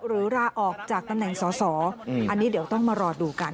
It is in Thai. หรือลาออกจากตำแหน่งสอสออันนี้เดี๋ยวต้องมารอดูกัน